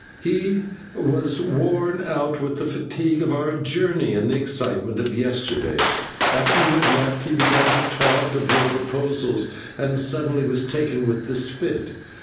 "He was worn out with the fatigue of our journey and the excitement of yesterday. After you had left he began to talk of your proposals, and suddenly was taken with this fit.